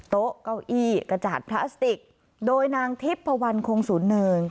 โต๊ะเก้าอี้กระจาดพลาสติกโดยนางทิพพวันคงศูนย์เนิน